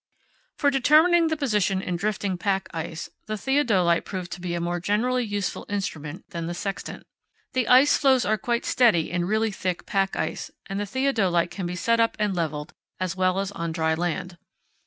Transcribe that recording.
For determining the position in drifting pack ice, the theodolite proved to be a more generally useful instrument than the sextant. The ice floes are quite steady in really thick pack ice, and the theodolite can be set up and levelled as well as on dry land.